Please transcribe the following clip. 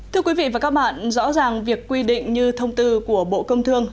thưa quý vị và các bạn rõ ràng việc quy định như thông tư của bộ công thương